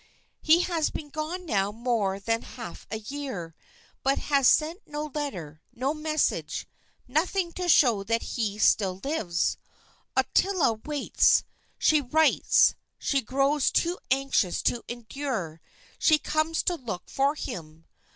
"He has been gone now more than half a year, but has sent no letter, no message, nothing to show that he still lives. Ottila waits, she writes, she grows too anxious to endure, she comes to look for him.